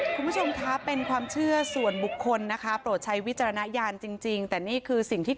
คุณผู้ชมคะเป็นความเชื่อส่วนบุคคลนะคะโปรดใช้วิจารณญาณจริงแต่นี่คือสิ่งที่